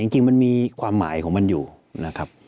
จริงมันมีความหมายของมันอยู่นะครับ